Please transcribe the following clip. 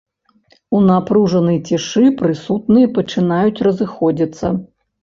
У напружанай цішы прысутныя пачынаюць разыходзіцца.